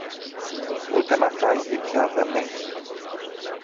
Ούτε να φάγει πια δεν έχει.